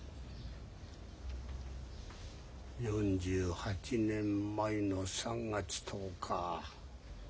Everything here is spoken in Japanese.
４８年前の３月１０日。